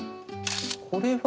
これは？